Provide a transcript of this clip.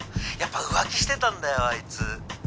「やっぱ浮気してたんだよあいつ」